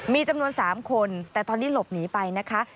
มีจำนวน๓คนแต่ตอนนี้หลบหนีไปนะคะ